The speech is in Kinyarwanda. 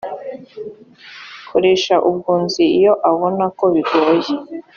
koresha ubwunzi iyo abona ko bigoye